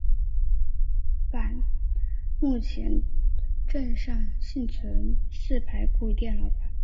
目前镇上幸存四排古老板店。